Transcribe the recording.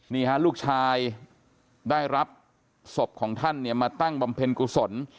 นี่ฮะลูกชายได้รับศพของท่านเนี่ยมาตั้งบำเพ็ญกุศล